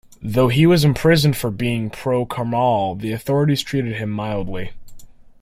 Though he was imprisoned for being pro-Karmal the authorities treated him mildly.